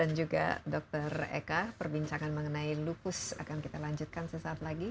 dan juga dr eka perbincangan mengenai lupus akan kita lanjutkan sesaat lagi